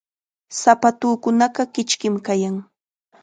Sapatuukunaqa kichkim kayan.